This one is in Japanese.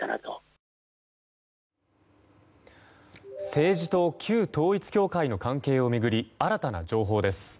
政治と旧統一教会の関係を巡り新たな情報です。